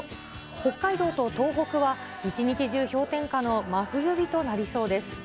北海道と東北は一日中、氷点下の真冬日となりそうです。